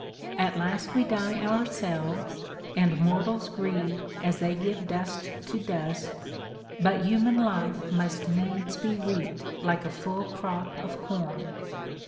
At last we die ourselves, and mortals grieve As they give dust to dust ; but human life Must needs be reaped like a full crop of corn.